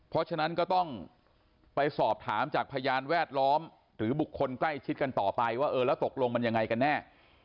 เพราะฉะนั้นก็ต้องไปสอบถามจากพยานแวดล้อมหรือบุคคลใกล้ชิดกันต่อไปว่าเออแล้วตกลงมันยังไงกันแน่